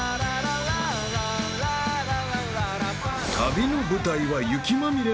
［旅の舞台は雪まみれの群馬県］